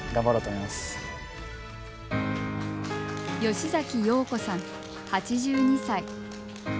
吉崎陽子さん、８２歳。